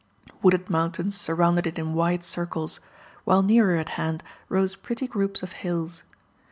Wooded mountains surrounded it in wide circles, while nearer at hand rose pretty groups of hills.